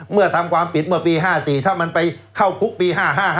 เมื่อทำความปิดเมื่อปี๕๔ถ้ามันไปเข้าคุกปี๕๕๕๖๕๗๕๘